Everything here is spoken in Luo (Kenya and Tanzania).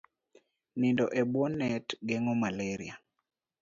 Nindo e bwo net geng'o malaria